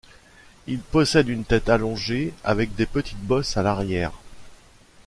Il possède une tête allongée, avec des petites bosses à l'arrière.